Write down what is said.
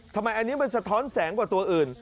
ทำไมอันนี้มันสะท้อนแสงกว่าตัวอื่น